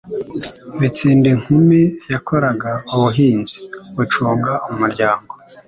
Bitsindinkumi yakoraga ubuhinzi, gucunga umuryango